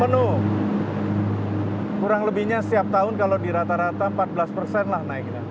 penuh kurang lebihnya setiap tahun kalau di rata rata empat belas persen lah naiknya